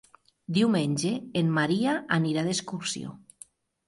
Diumenge en Maria irà d'excursió.